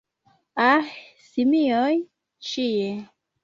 Ah simioj ĉie